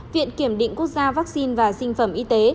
viện kiểm định quốc gia vaccine và sinh phẩm y tế